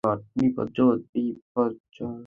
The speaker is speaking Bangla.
বিপজ্জনক, বিপজ্জনক!